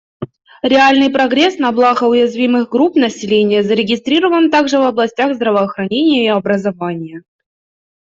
Реальный прогресс на благо уязвимых групп населения зарегистрирован также в областях здравоохранения и образования.